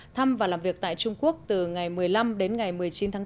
thăm và làm việc tại trung quốc từ ngày một mươi năm đến ngày một mươi chín tháng bốn